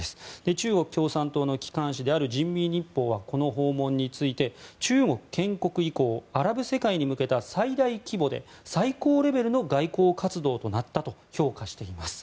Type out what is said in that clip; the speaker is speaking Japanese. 中国共産党の機関紙である人民日報はこの訪問について中国建国以降アラブ世界に向けた最大規模で最高レベルの外交活動となったと評価しています。